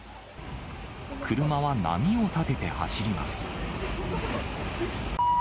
車は波を立てて走ります。